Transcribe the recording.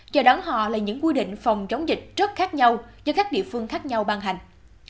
chờ đón họ là những quy định phòng chống dịch rất khác nhau do các địa phương khác nhau ban hành